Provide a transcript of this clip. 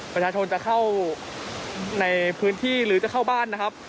ประชาชนจะเข้าในพื้นที่หรือจะเข้าบ้านนะครับ